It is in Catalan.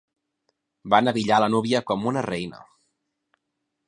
Van abillar la núvia com una reina.